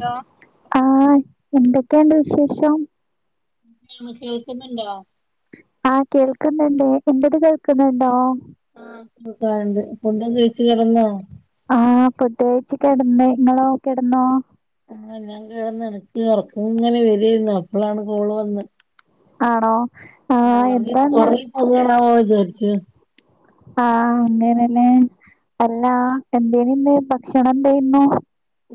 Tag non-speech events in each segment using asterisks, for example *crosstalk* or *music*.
Hello അഹ് എന്തൊക്കെണ്ട് വിശേഷം അഹ് കേൾക്കുന്നുണ്ടോ അഹ് കേൾക്കുന്ണ്ട് എന്റത് കേൾക്കുന്നുണ്ടോ *unintelligible* അഹ് ഫുഡയിച് കെടന് ഇങ്ങളോ കെ ടന്നോ അഹ് ഞാൻ കെടന് എനക്ക് ഉറക്ക ങ്ങനെ വര്യാരുന്നു അപ്പളാണ് കോള് വന്ന ആണോ ആഹ് ഞാൻ എന്താന്ന് ഉറങ്ങി പോണാവോ വിചാരിച്ചു അഹ് അങ്ങനല് *inaudible* അല്ലാ എന്തേന് ന്ന് ഭക്ഷണം എൻെര് ന്നു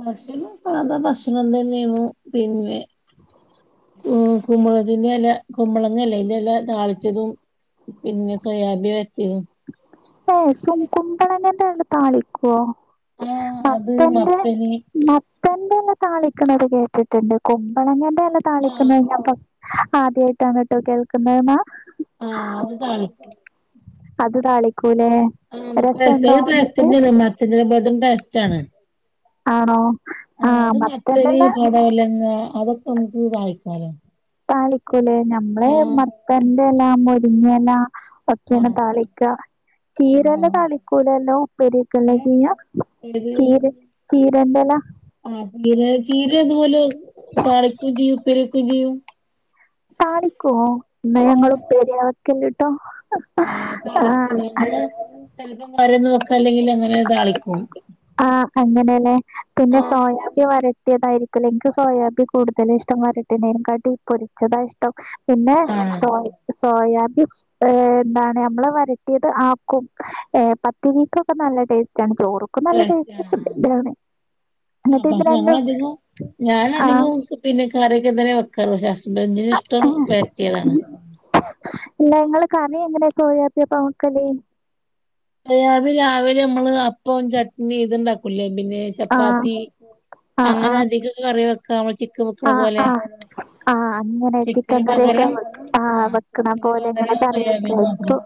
ഭക്ഷണംസാധാ ഭക്ഷണംതന്നെന്നു പിന്നെ *inaudible* ഉം കുമ്പളത്തിന്റെ എലകുമ്മളങ്ങലേ ഇലതാളിച്ചതും പിന്നെ സോയാബി വരട്ടിയതും ഏ സ കുമ്പളങേന്റല താളിക്കോ ആഹ് അത് മത്തന്റെ മത്തന് മത്തന്റെല താളിക്കണേ കേട്ടിട്ടുണ്ട് കുമ്പളങ്ങന്റെല ആഹ് താളിക്കഞ്ഞാ ആദ്യായിട്ടാണ് ട്ടോ കേൾക്കുന്നത് ന്ന ആഹ് അത് താളിക്കും അത് താളിക്കൂലേ *unintelligible* രസണ്ടോ എന്നിട്ട്? ഇതിലും ഭേദം ബെല്റ്റണ് ആണോ അഹ് ആഹ് അത് മത്തരി മത്തന്റെല പടലങ്ങ അതൊക്കെ നമുക്ക് തളിക്കലോ താളിക്കൂലേ നമ്മള് മത്തന്റെല മുരിങ്ങേല ഒക്കെണ് ആണോ താളിക്ക ആ ചീരലതളിക്കൂലല്ലോ ഉപ്പരിക്ക്‌ ള്ള ഏ ഏത് ചീര ചീരന്റലാ ആ ചീര ചീര ഇതുപോലെതാളിക്കെ ചെയ്യും ഉപ്പേരി വെക്കോം ചെയ്യും താളിക്കോ ഇന്ന ആഹ് ഞങ്ങളുപ്പേരിയവെക്കല്ലിട്ടോ താളിക്കും ഞങ്ങള് ചെലപ്പം വരന്ന്വോക്ക അല്ലെങ്കി അങ്ങനെ താളിക്കും ആഹ് അങ്ങനെയല്ലേ പിന്നെ ആഹ് സോയാബി വര ട്ടിയാതായിരിക്കുലേ ഇൻക്ക് സോയാബി കൂടുതലും ഇഷ്ട വട്ടതിനകാട്ടി പൊരിച്ചതാഷ് ട്ടം പിന്നെ ആഹ് സോയ സോയാബി ഏഹ് എന്താണ് നമ്മള് വരട്ടിയത് ആക്കും ഏഹ് പത്തിരിക്കൊക്കെ നല്ല ടേസ്റ്റാണ് ചോറും നല്ല ആ ടേസ്റ്റ്ക്കണ്ട് ഇ ആ എന്നിട്ട് ഇത് പക്ഷെ രണ്ടും ഞങ്ങളധികവും ആഹ് ഞാനധികവും പിന്നെ കറിയൊക്കെന്നെ വെക്കാ പഷെ ഹസ്ബൻ്റിനിഷ്ടം വരട്ടിയതാണ് ഇല്ല ഇങ്ങള് കറിഎങ്ങനെയാ സോയിപ്പിയപ്പക്കല് അത് രാവിലാ രാവി നമ്മള് അപ്പം ചട്നി ഇത്ണ്ടാക്കുല്ലേ പിന്നെ ആഹ് ചപ്പാത്തി ആഹ് അങ്ങനെ ആഹ് അധികകറി വെക്കാമ്മള് ചിക്കവെക്കണ ആഹ് പോലെ ആഹ് ആഹ് അങ്ങനെ ചിക്കന് ചിക്കൻകറിയൊക്കെ പകരം വെക്ക ആഹ് ചിക്കന് വെക്കണപോലെ ഇങ്ങനെ പകരം സോയാബീൻ കറിവെക്കയിരിക്കു മാത്രം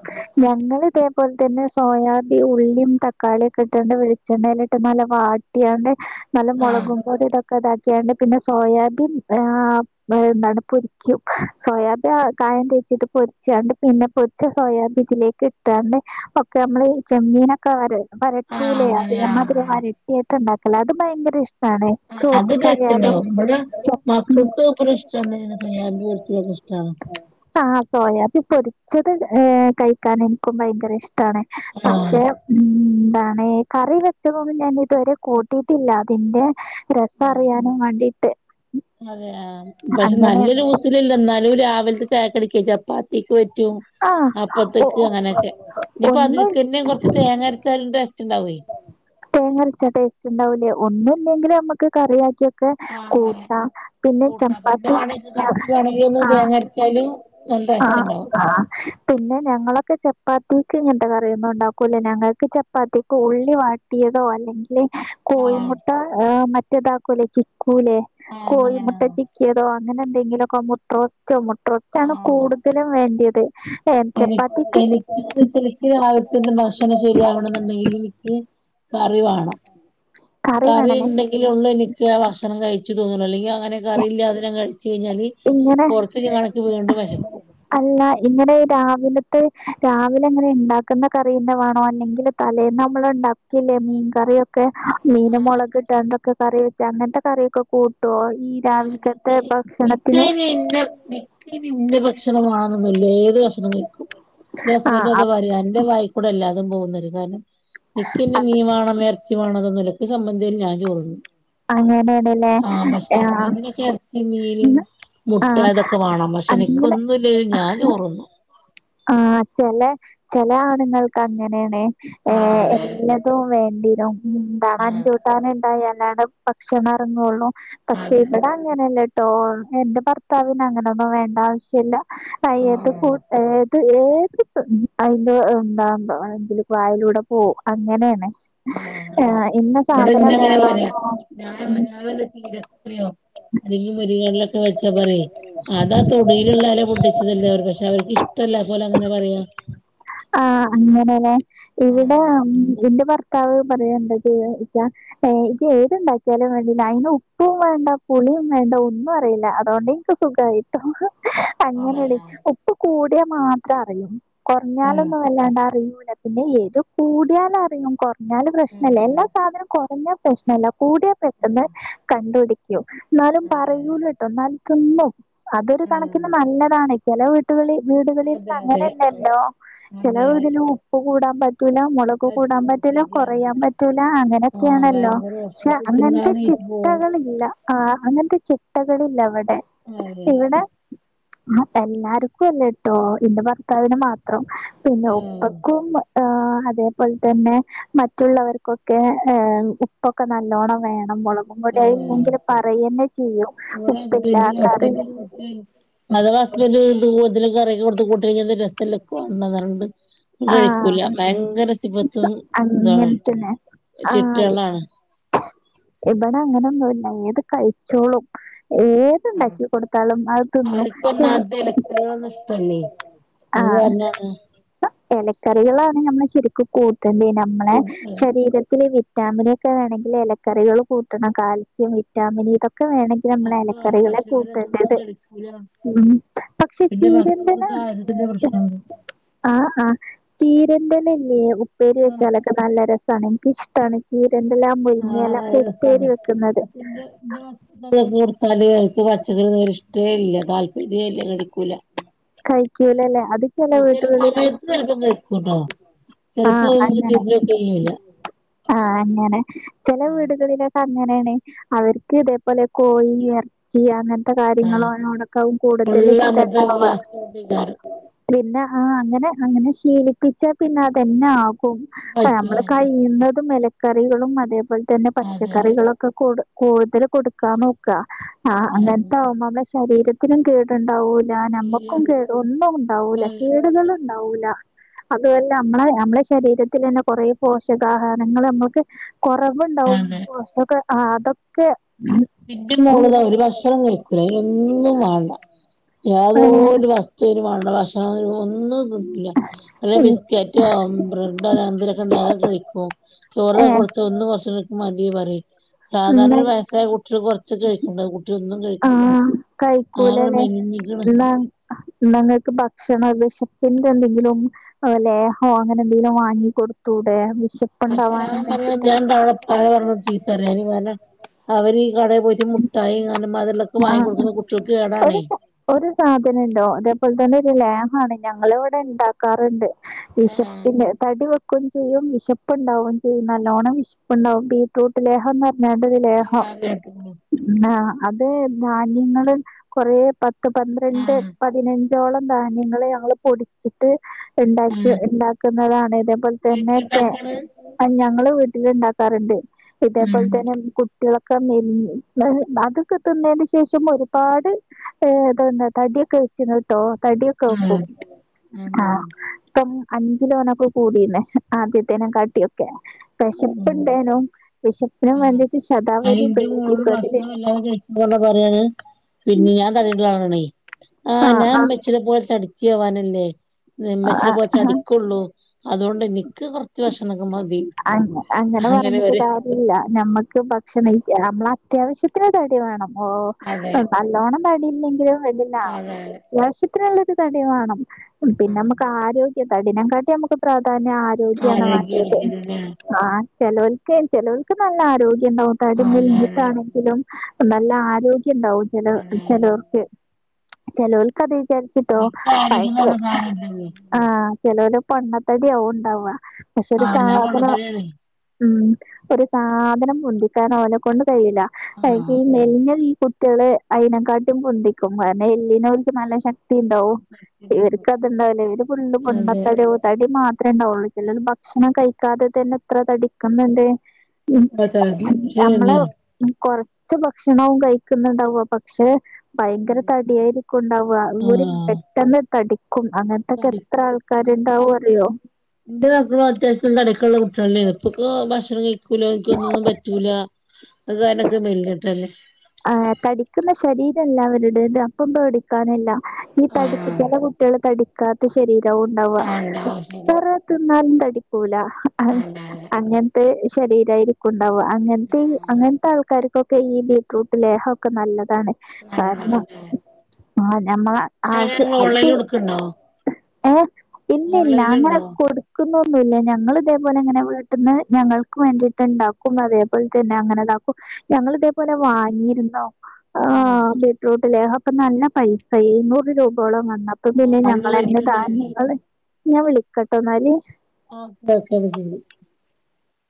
ഞങ്ങള് ഇതേപോൽതന്നെ സോയാബി ഉള്ളിയും തക്കാളിയൊക്കെ ഇട്ടണ്ട് വെളിച്ചെണ്ണയില ഇട്ട് നല്ല വാ ട്ടിയാണ്ട് നല്ല ആഹ് മുളകുപൊടി ഇതൊക്കെ ഇതാക്കിയാണ്ട് പിന്നെ സോയാബീൻ ഏഹ് എന്താണ് പൊരിക്കും സോയാബീൻ കായം തേച്ചിട്ട് പൊരിച്ചാണ്ട് പിന്നെ പൊരിച്ച സോയാബ്തിലേക്ക് ഇട്ടാണ്ട് ഒക്കെ നമ്മള് ഈ ചെമ്മീന ആഹ് ക്കെവരട്ടൂലെ അങ്ങനെ ആഹ് അമ്മാതിരി വരട്ടിയായിട്ട് ഇണ്ടാക്കലാ അത് ഭയങ്കരഇഷ്ടാ ട്ടാണെ ചോറ്റിക്കായാലും ഇബടെ ച മക്കക്ക് ഉം ഇഷ്ടന്ന സെയാബി പൊരിച്ചതൊക്കെ ഇഷ്ടാണ് സോയാബീ പൊരിച്ചത് ഏഹ് കഴിക്കാനെനിക്കും ഭയങ്കര ഇഷ്ടാണ് ആഹ് പക്ഷെ ഉം എന്താണ് കറിവെച്ചതൊന്നു ഞാനിതുവരെ കൂട്ടിയിട്ടില്ല അതിന്റെ രസറിയാനും വാണ്ടീട്ട് അതെയാ പക്ഷെ നല്ല ലൂസിലല്ല എന്നാലും രാവിൽത്തെ ചായക്കടിക്കെ ചപ്പാത്തിക്ക് പറ്റും ആഹ് ഒ അപ്പത്തേക്ക് അങ്ങനൊക്കെ ഇനിയിപ്പോ ഒന്നും അതിലക്കന്നെ കൊറച്ച് തേങ്ങ അരച്ചാലും ടേസ്റ്റ് ഇണ്ടാവേ തേങ്ങരച്ച ടേസ്റ്റ് ഇണ്ടാവൂലേ ഒന്നില്ലെങ്കിൽ നമ്മക്ക് കറിയക്കി ആഹ് അങ്ങനെ കൂട്ടാപിന്നെ ചപ്പാത്തി വേണങ്കി കട്ടി വേണെങ്കില് ഒന്ന് ആഹ് തേങ്ങരച്ചാലും നല്ല ആഹ് ടേസ്റ്റുണ്ടാവും ആഹ് പിന്നെ ഞങ്ങളൊക്കെ ചപ്പാത്തിക്ക് ഇങ്ങൻത്തെ കറിയൊന്നും ഉണ്ടാക്കുല ഞങ്ങക്ക് ചപ്പാത്തിക്ക് ഉള്ളി വയ ട്ടിയതോ അല്ലെങ്കില് ആഹ് കോയിമുട്ട മറ്റേതാക്കുലേ ചിക്കൂലേ ആഹ് കോഴിമുട്ട അങ്ങനെയാണോ ചി ക്കിയതോ അങ്ങനെ എന്തെങ്കിലൊക്കെ മുട്ടറോസ്റ്റോ മുട്ട്റോസ്‌റ്റാണ് ആഹ് കൂടുതലും വേണ്ടിയത് ഏഹ് എനി ചപ്പാത്തിക്ക് എനിക്ക് ശെരിക്ക് രാവിൽത്തെഭക്ഷണം ശരിയാവണന്നുണ്ടെങ്കില് എനിക്ക് കറിവാണം കറി ഇണ്ടെങ്കില ഉള്ളു എനിക്ക് ആ ഭക്ഷണം കഴിച്ചു തോന്നണുഅല്ലെങ്കിൽ അങ്ങനെ കറിയില്ലാതിന കഴിച്ചഴിഞ്ഞാല് ഇങ്ങനെ കൊറച്ചയ്ഞ്ഞ കണനക്ക് വീണ്ടും വെശക്കും അല്ല ഇങ്ങനെ രാവിലത്തെ രാവിലെ എങ്ങനെ ഉണ്ടാക്കന്ന കറിന്നെ വാണോ അല്ലെങ്കില് തലേന്നമ്മള് ഇണ്ടാക്കില്ലേ മീൻകറിയക്കെ ക്കെ ആഹ് മീനമൊളകിട്ടാണ്ടൊക്കെ കറിവെച്ചാ അങ്ങൻത്തെ കറിയൊക്കെ കൂ ട്ടോ ഈ രാവിൽത്തത്തെ ഭക്ഷണ ക്ക് ഇന്ന മിക്കന് ഇന്ന ഭഷണമാണെന്നൊന്നുല്ല ഏത് ഭഷണം കയിക്കും ൻ്റെ ആഹ് അ ഹസ്ബൻ്റതാ അന്റെ വായിക്കൂടെ അല്ലാതുപോം പറയും കാരണം ഇക്കിന്നെ അത് മീൻവണോ എർച്ചി വേണൊന്നൊന്നില സമ്മന്തിയിൽ ഞാൻ ചോറുന്നു അങ്ങന്നേണ് ല്ലേ ഹസ്ബൻ്റിനൊക്കെ എർച്ചിമീന് മുട്ട ആഹ് ഇതൊക്കെ വാണം പഷെഎനിക്കൊന്നു അങ്ങനെ ഒന്നുലേലും ഞാചോറുന്നു ആഹ് ചെല ചെല ആണുങ്ങൾക്കങ്ങനെയാണ് ആഹ് ഏഹ് അതെ എല്ലാ തും വേണ്ടിലും എന്താണ് ആഹ് അഞ്ചൂട്ടാന ഇണ്ടായാലാണ് ഭക്ഷണറങ്ങുള്ളൂ പക്ഷെ അതെ ഇവിടെ അങ്ങനല്ലട്ടോ എന്റെ ഭർത്താവിനങ്ങനൊന്നും വേണ്ടാവിശ്യല്ല പയേത് ആഹ് കൂട്ടെ ഏത് *unintelligible* അയ്ന്റെ എന്താ വായിലൂടെ പോകും അങ്ങനേണ് ആഹ് ഏഹ് ഇന്ന ഇബടെ സാധനം ഇന്നെങ്ങനെ പറയാ വേണോന്നോ ഉം *unintelligible* ചീര ക്കറിയോ അല്ലെങ്കി മുരിങ്ങടെല ഒക്കെ വെച്ചാ പറയൊയ് അതാ തൊടീല്ള്ള എല പൊട്ടിച്ചതല്ലേ അവർ പക്ഷെ അവർക്കിഷ് ഇഷ്ടല്ല അപ്പൊ ഓല് അങ്ങനെ പറയും. ആഹ് അങ്ങനെ അല്ലേ. ഇവിടെ ആഹ് ഉം എന്റെ ഭർത്താവ് പറയുണ്ട്. *unintelligible* ഏഹ് ഇജ്ജ് ഏത് ഉണ്ടാക്കിയാലും വേണ്ടില്ലേ അയിന് ഉപ്പും വേണ്ട പുളിയും വേണ്ട ഒന്നും അറിയില്ല അതോണ്ട്. എനിക്ക് സുഖായിട്ടോ, അങ്ങനെ ആണ് അങ്ങനെയാ ഉപ്പ് കൂടിയാൽ മാത്രം അറിയും. ആഹ് കൊറഞ്ഞാലൊന്നും വല്ലാണ്ട് അറിയൂല, പിന്നെ എരിവ് കൂടിയാല് അറിയും കൊറെ. കൊറഞ്ഞാല് ഉം പ്രശ്നല്ല, ഉം എല്ലാ സാധനം കൊറഞ്ഞാൽ പ്രശ്നല്ല കൂടിയാൽ ഉം പെട്ടെന്ന് കണ്ട് പിടിക്കും. എന്നാലും അതെ അതെ പറയൂലട്ടോ, എന്നാലും തിന്നും അതൊരു ആഹ് കണക്കിന് നല്ലതാണ് ചെല വീ ട്ടുകള് വീടുകളിൽ അതെ അതെ അങ്ങനല്ലല്ലോ, ചെല അതെ വീടില് ഉപ്പ് കൂടാന് പറ്റൂല, മൊളക്. സത്യം കൂടാന് പറ്റൂല ശരിയാണ് കൊറയാൻ പറ്റൂല ആഹ് അങ്ങനൊക്കെയാണല്ലോ, ഭയങ്കര പ്രശ്നാ പക്ഷെ ഇതില്ലാതെ അങ്ങനത്തെ നീച്ച് പോവും ചിട്ടകളില്ല. ആഹ് അങ്ങനത്തെ ചിട്ടകളില്ല ഇവിടെ, അതെ ഇവിടെ. എല്ലാർക്കും അല്ലട്ടോ, ഇന്റെ ഭർത്താവിന് മാത്രം. പിന്നെ ഉപ്പ് ആഹ് ഒക്കെ ഒന്ന്. ഏഹ് അതേപോലെ തന്നെ മറ്റുള്ളവർക്കൊക്കെ ഏഹ് ഉപ്പ് ഒക്കെ നല്ലോണം വേണം മൊളക്. ഇവിടെയും ആഹ് ഇല്ലെങ്കില് പറയ് തന്നെ ചെയ്യും, ഉപ്പില്ല കറി. ഉം അഥവാ ഹസ്ബൻഡ് *unintelligible* കറിയൊക്കെ കൊടുത്ത *unintelligible* അത് രസല്ലേ. *unintelligible* വെക്കൂല, ആഹ് ഭയങ്കര സിഫതും ഇതാണ്. അങ്ങനത്തന്നെ ആഹ് *unintelligible* ഇവിടെ അങ്ങനൊന്നുല്ല ഏത് കഴിച്ചോളും ഏത്. ഏത് ഇണ്ടാക്കി കൊടുത്താലും അത് തിന്നും, അവർക്ക് തിന്ന ഒന്നാമത്തെ നീ പറഞ്ഞാണ്. ആഹ് ഇലക്കറികളാണ് ഞമ്മള് ശരിക്കും കൂട്ടണ്ടേ, നമ്മളെ ശരീരത്തിലെ വി റ്റാമിൻ ഒക്കെ വേണെങ്കില് ഇലക്കറികള് കൂട്ടണം കാൽസ്യം വിറ്റാമിന് ഇതൊക്കെ വേണേ. ഒക്കെ വേണം പക്ഷെ ഇവര് അതൊന്നും കഴിക്കൂല. ഉം. പക്ഷെ എന്റെ ചീരന്തന ഭർത്താവിന് കാൽസ്യത്തിന്റെ പ്രശ്നമുണ്ട്. ആഹ് ആഹ് ചീരന്റേത് ഇല്ലേ ഉപ്പേരി ആഹ് വെച്ചാലൊക്കെ നല്ല ര സാണ് എനിക്ക് ഇഷ്ടമാണ് ചീരന്റേത്. ആഹ് നല്ല രസാണ് പക്ഷെ ഇന്റെ ഇന്റെ. ഇന്ന് ചെയ്തു കൊടുക്കേന്നത് എനിക്കും അച്ഛനും തീരെ ഇഷ്ടവേ ഇല്ല താല്പര്യം ഇല്ല നടക്കൂല. കഴിക്കൂലല്ലേ അത് ചില ചെല വീട്ടുകളിലൊക്കെ സമയത്ത് എനിക്ക് ഒന്നും എടുക്കൂല. ആ ചെലപ്പോ അങ്ങനെ തിരിഞ്ഞോക്കേയ്യൂല. ആഹ് അങ്ങനെ ചെല വീടുകളിലൊക്കെ അങ്ങനെ ആണ്, അവർക്ക് ഇതേപോലെ കോഴി ഇറ ച്ചി അങ്ങനത്തെ ആഹ് കാര്യങ്ങളോട് ഒക്കെയാവും കൂടുതൽ ഇഷ്ടം ഉണ്ടാവുക. ഇവിടെയുള്ള ആരും. പിന്നെ ആഹ് അങ്ങനെ അങ്ങനെ ശീലിപ്പിച്ചാൽ പിന്നെ അതെന്നെ ആകും. പറ്റും ഞമ്മളെ അതെന്നെ കഴിയുന്നതും ഇലക്കറികളും അതേപോലെ തന്നെ അതെ പച്ചക്കറികളും. ഒക്കെ കൊടു കൂടുതലും കൊടുക്കാൻ നോക്കുക, ആഹ് അതെ അതെ അങ്ങനത്തെ ആവുമ്പോൾ നമ്മുടെ ശരീര ത്തിനും കേടുണ്ടാവൂല ഞമ്മക്കും ശരിയാണ് കേട് ഒന്നും ഉണ്ടാവൂല കേടുകളെ. ഉണ്ടാവൂല, അതുല്ല നമ്മളെ നമ്മളെ ശരീരത്തിൽ തന്നെ കൊറെ പോഷകാഹാരങ്ങൾ നമുക്ക്‌. കൊറവുണ്ടാവും അതെ കൊറച്ചൊക്കെ അതൊക്കെ. ഇന്റെ ഈ മോള് രാവിലെ ഒരു ഭക്ഷണം പോലും കഴിക്കൂല, അയിനൊന്നും വേണ്ട ഏഹ് യാതൊരു വസ് *unintelligible* വേണ്ടേ ഭക്ഷണം ഒന്നും തിന്നൂല്ല. വല്ല്യ ഉം ബിസ്‌കേറ്റോ ബ്രെഡോ അങ്ങനത്തെ എന്തെങ്കിലും ഉണ്ടെങ്കിൽ അത് അങ്ങോട്ട് കഴിക്കും, ചോറ് ഒക്കെ ഏഹ് കൊടുത്താൽ അന്ന്. *unintelligible* മതി പറയും സാധാരണ ഇന്ന് ഒരു വയസ്സായ കു കൊറച്ചൊക്കെ കഴിക്കണ്ടതാ കുട്ടി ഒന്നും ആ കഴിക്കൂല ആകൺ മെലിഞ്ഞ്ക്ക്‌ണ് ആഹ് ന്നാ ഇങ്ങക്ക് ഭക്ഷണം വിശപ്പിന്റെ എന്തെങ്കിലും ആ ലേഹ്യം അങ്ങനെ എന്തെങ്കിലും വാങ്ങി കൊടുത്തൂടെ *unintelligible* പക്ഷെ ഞൻ പറയാ വേണ്ടിട്ട് ഞാൻ *unintelligible* താഴെ വരുമ്പം ചീത്ത പറയാ ഇങ്ങനെ അവര് ഈ കടയിൽ പോയിട്ട് മുട്ടായി ഇങ്ങനെ മധുരള്ള ഒക്കെ വാങ്ങി ആ കൊടുക്കുമ്പം കുട്ടികൾക്ക് ഒരു കേടാണേ സ- ഒരു സാധനണ്ടോ അതേപോലെ തന്നെ ഒരു ലേഹാണ് ഞങ്ങള് ഇവിടെ ഉണ്ടാക്കാറുണ്ട് ആഹ് വിശപ്പന്റെ തടി *unintelligible* വെക്കും ചെയ്യും വിശപ്പുണ്ടാവും ചെയ്യും നല്ലോണ്ണം വിശപ്പുണ്ടാവും ബീറ്റ്റൂട്ട് ലേഹം വേണ്ടതിലേഹം ആഹ് കേട്ട്ക്ക്ണു ആഹ് അത് ധാന്യങ്ങൾ കുറേ പത്ത് പന്ത്രണ്ട് ആഹ് പതിനഞ്ചോളം ധാന്യങ്ങള് നമ്മള് പൊടിച്ചിട്ട് ഉണ്ടാക്കി ആഹ് ഉണ്ടാക്കുന്നതാണ് ഇതേപോലെ തന്നെ വീട്ടിലുണ്ടാക്കാണ് ആഹ് ഞങ്ങളെ വീട്ടില് ഉണ്ടാക്കാറുണ്ട് ഇതേപോലെ ആഹ് തന്നെ കുട്ടികള ക്കെ മെലിഞ്ഞ് *unintelligible* തിന്നതിന് ശേഷം ഒരുപാട് ഏഹ് തെന്താ തടിയൊക്കെ വെക്ക് ട്ടോ തടിയൊക്കെ വെക്കും ആഹ് ആ ഇപ്പം അഞ്ചു ലോണൊക്കെ കൂടീന്നെ ആദ്യത്തേന കാട്ടിയൊക്കെ ആഹ് വിശപ്പുണ്ടേനും വിശപ്പിന് ആഹ് വേണ്ടിട്ട് ശതാവലി അതിന്റെ മോള് ഉപയോഗിക്കി അതില് ഭക്ഷണം *unintelligible* പറയാണ് പിന്നെ ഞാൻ തടി ഇള്ള ആളാണെ ആ ആഹ് ഞാൻ ഇമ്മച്ചിനെ പോലെ തടി ച്ചി ആവാനല്ലെ ആഹ് ഇമ്മച്ചിനെ പോലെ തടി ആഹ് ക്കൊ ള്ളൂ അതുകൊണ്ട് എനിക്ക് കുറച്ച് ഭക്ഷണമൊക്കെ മതി അ അങ്ങനെ പറഞ്ഞിട്ട് കാ ഇല്ല നമ്മക്ക് ഭക്ഷണം നമ്മള് അത്യാവശ്യത്തിന് തടി വേണം ഓഹ് അതെ ന ല്ലോണം തടിയില്ലെങ്കിലും വേണ്ടില്ല അതെ അത്യാവശ്യത്തിനുള്ള ഒരു തടി വാണം പിന്നെ ആഹ് നമുക്ക് ആരോഗ്യ തടിനെ കാട്ടി നമുക്ക് പ്രാധാന്യം ആരോഗ്യണ് ആരോഗ്യാണ് വേണ്ടിയത് ശരിയാണ് ആഹ് ചെലോൽക്ക് ചെലോൽക്ക് നല്ല ആരോഗ്യം ഉണ്ടാവും തടി അതെ അതെ മെലിഞ്ഞിട്ടാണെങ്കിലും നല്ല ആരോഗ്യം ഉണ്ടാവും ചില അതെ അതെ ചിലോർക്ക് ചെലോൽക്ക് അത് വിചാരിച്ചിട്ടോ നിക്ക് ആരോഗ്യം എന്ന് പറഞ്ഞ *unintelligible* സാധനം ഇണ്ടല്ലോ ആഹ് ചെലോര് പൊണ്ണത്തെടിയാവും ഉണ്ടാവ പക്ഷെ ഒരു ആഹ് സാ ഞാൻ പൊണ്ണത്തടിയാണേ ഉം ഒരു സാധനം പൊന്തിക്കാൻ ഓലെക്കൊണ്ട് കഴിയില്ല ആഹ് *unintelligible* മെലിഞ്ഞ ഈ കുട്ടികള് അയിനക്കാട്ടും പൊന്തിക്കും കാരണം എല്ലിനോൽ ക്ക്‌ നല്ല ശക്തി ക്തി ഉണ്ടാവും ഇവർക്ക്തുണ്ടാവില്ല ഇവര് ഫുള്ളും പൊണ്ണ അതെ തടി ആവും തടി മാത്രമേ ഉണ്ടാവുള്ളൂ ചെലര് ഭക്ഷണം കഴിക്കാതെ തന്നെ എത്ര തടിക്കുന്നുണ്ട് ഉം അതെ അതെ നമ്മള് ശരിയെന്നെയാണ് കൊറച്ച് ഭക്ഷണവും കഴിക്കുന്നുണ്ടാവ അപ്പം പക്ഷെ ഭയങ്കര തടിയായിരിക്കുണ്ടാവുക അവര് ആഹ് പെട്ടെന്ന് തടിക്കും അങ്ങനെ ക്കെ എത്ര തടിക്കും ഇന്റെ ആൾക്കാര്ണ്ടാവും മക്കള് അറിയോ എന്റെ മക്കളും അത്യാവശ്യംതടി ഒക്കെള്ള കുട്ടികള് അയ്നു ഇപ്പൊക്ക ഭക്ഷണം കഴിക്കൂല അവർക്കൊന്നും പറ്റൂല അത് കഴിഞക്ക് മെലിഞ്ഞിട്ട ഉള്ളെ ആഹ് തടിക്കുന്ന ശരീരല്ല അവരുടെത് അപ്പ പേടിക്കാനില്ല ഈ തടിക്ക് ആഹ് ചില കുട്ടികള് തടിക്കാത്ത ശരീരവും ഉണ്ടാവുക ആഹ് ഉണ്ടാവും ശരി എത്ര എത്ര തിന്നാലും തടിക്കൂല ഉണ്ടാവില്ല അങ്ങനത്തെ ശരീരയി രിക്കും ഉണ്ടാവുക അങ്ങനത്തെ ആഹ് അങ്ങനത്തെ ആൾക്കാർക്കൊക്കെ ഈ ബീറ്റ്റൂട്ട് ലേഹൊക്കെ നല്ലതാണ് കാരണം നല്ലോണല്ലേ ആഹ് നമ്മളെ എങ്ങനെ ആവശ്യ നിങ്ങൾ ഓൺലൈനിൽ കൊടുക്കുണ്ടോ പിന്നെല്ല അങ്ങനെ ഓൺലൈനിലുണ്ടോ കൊട് ക്കൊന്നുന്നുല്ല ഞങ്ങൾ ഇതേപോലെ ഇങ്ങനെ വീട്ട്ന്ന് ഞങ്ങൾക്ക് വേണ്ടിയിട്ട് ഇണ്ടാക്കും അതേപോലെ തന്നെ അങ്ങനെ ഇതാക്കും ഞങ്ങള് ഇതേപോലെ വാങ്ങിയിരുന്നോ ആണോ ബീട്ട്റൂട്ടിലാ അപ്പൊ നല്ല പൈസ എഴുന്നൂറ് രൂപയോളം വന്ന അപ്പ ആഹ് പിന്നെ നല്ല ഞങ്ങളന്നെ റേറ്റ് ഉണ്ടായില്ലേ ധാന്യങ്ങള് ഞാൻ വിളിക്ക ട്ടൊ ന്നാല് ആഹ് *unintelligible* ശരി